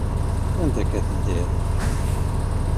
Anda akka teddiḍ?